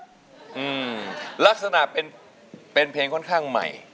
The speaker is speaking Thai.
อืมลักษณะเป็นเป็นเพลงค่อนข้างใหม่